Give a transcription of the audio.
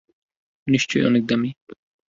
নিশ্চয়ই অনেক দামী।